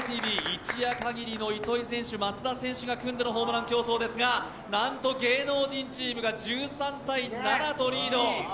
一夜限りの糸井選手・松田選手が組んでのホームラン競争ですが、なんと芸能人チームが１３−７とリード。